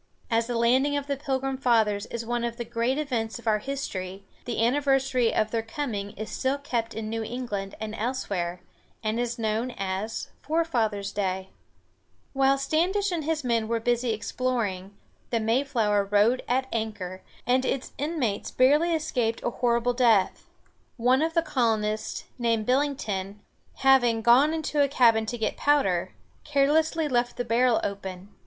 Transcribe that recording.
As the landing of the Pilgrim fathers is one of the great events of our history, the anniversary of their coming is still kept in New England and elsewhere, and is known as "Forefathers' Day." [Illustration: Landing on Plymouth Rock.] While Standish and his men were busy exploring, the Mayflower rode at anchor, and its inmates barely escaped a horrible death. One of the colonists, named Bil´ling ton, having, gone into the cabin to get powder, carelessly left the barrel open.